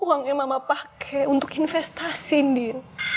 uang yang mama pake untuk investasi nen